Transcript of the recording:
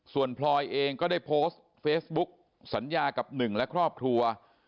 ส่วนพลอยเองก็ได้โพสต์เฟซบุ๊กสัญญากับหนึ่งและครอบครัว